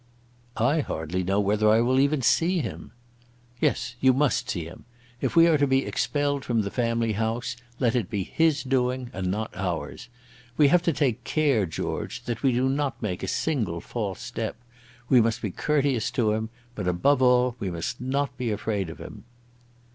"I hardly know whether I will even see him." "Yes; you must see him. If we are to be expelled from the family house, let it be his doing, and not ours. We have to take care, George, that we do not make a single false step. We must be courteous to him, but above all we must not be afraid of him."